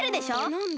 なんで？